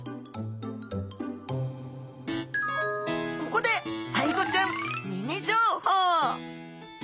ここでアイゴちゃんミニ情報。